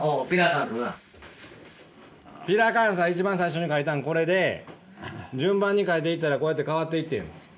ピラカンサ一番最初に描いたんこれで順番に描いていったらこうやって変わっていってん。